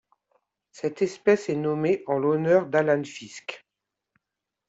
Cette espèce est nommée en l'honneur d'Alan Fiske.